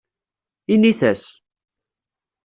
Init-as.